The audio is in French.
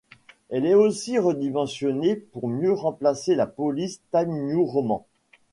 Elle est aussi redimensionnée pour mieux remplacer la police Times New Roman.